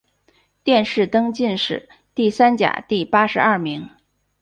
殿试登进士第三甲第八十二名。